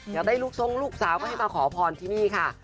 อยากได้ลูกทรงลูกสาวก็ให้มาขอพรที่นี่ค่ะ